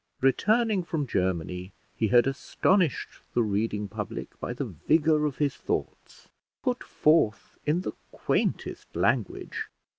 Returning from Germany, he had astonished the reading public by the vigour of his thoughts, put forth in the quaintest language.